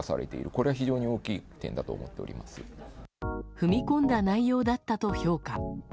踏み込んだ内容だったと評価。